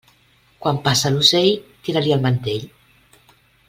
Quan passa l'ocell, tira-li el mantell.